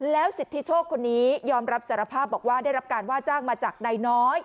แล้วสิทธิโชคคนนี้ยอมรับสารภาพบอกว่าได้รับการว่าจ้างมาจากนายน้อย